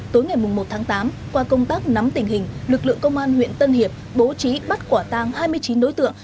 tối ngày một tháng tám qua công tác nắm tình hình lực lượng công an huyện tân hiệp bố trí bắt quả tang hai mươi chín đối tượng